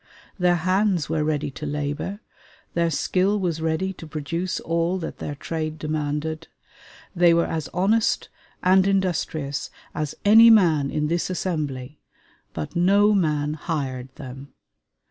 Their hands were ready to labor; their skill was ready to produce all that their trade demanded. They were as honest and industrious as any man in this assembly, but no man hired them.